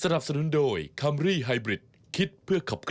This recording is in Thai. รับได้ไหมล่ะสกูล์ค่ะ